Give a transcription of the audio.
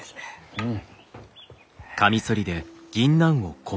うん。